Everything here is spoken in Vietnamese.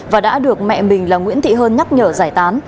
và đã được mẹ mình là nguyễn thị hơn nhắc nhở giải tán